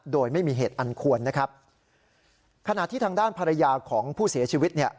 โดยไม่มีเหตุอันควรนะครับขณะที่ทางด้านภรรยาของผู้เสียชีวิตเนี่ย